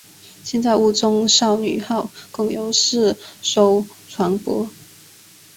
现在雾中少女号共有四艘船舶。